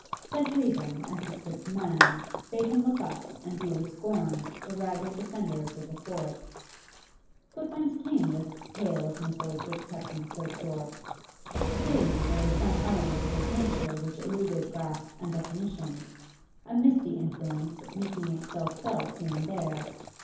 Such reason as he could command bade him look up and view with scorn the ragged defenders of the forts; but whence came this hail of missiles which kept him so sore? Clearly there was some element of his nature which eluded grasp and definition, a misty influence making itself felt here and there.